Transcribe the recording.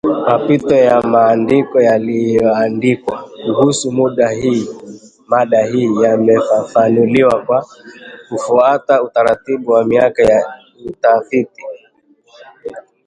Mapitio ya maandiko yaliyoandikwa kuhusu mada hii yamefafanuliwa kwa kufuata utaratibu wa miaka ya utafiti